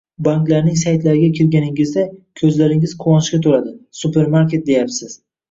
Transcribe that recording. Banklarning saytlariga kirganingizda, ko'zlaringiz quvonchga to'ladi, supermarket deyapsiz